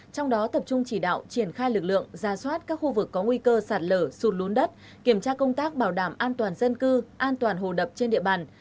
trong đó tập trung chỉ đạo triển khai lực lượng ra soát các khu vực có nguy cơ sạt lở sụt lún đất kiểm tra công tác bảo đảm an toàn dân cư an toàn hồ đập trên địa bàn